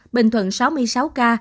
bình thuận sáu mươi sáu ca